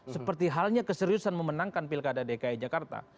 seperti halnya keseriusan memenangkan pilkada dki jakarta